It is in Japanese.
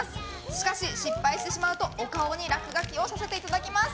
しかし、失敗してしまうとお顔に落書きをさせていただきます。